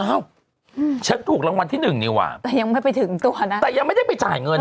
อ้าวฉันถูกรางวัลที่หนึ่งนี่ว่ะแต่ยังไม่ไปถึงตัวนะแต่ยังไม่ได้ไปจ่ายเงิน